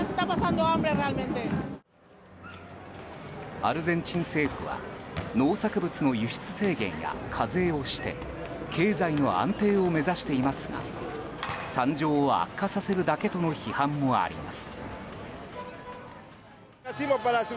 アルゼンチン政府は農作物の輸出制限や課税をして経済の安定を目指していますが惨状を悪化させるだけとの批判もあります。